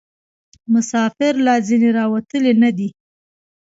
مسافر لا ځني راوتلي نه دي.